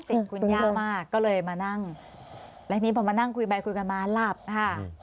ติดต้องคุณย่ามากก็เลยมานั่งและพอมานั่งคุยกันมาหลับค่ะ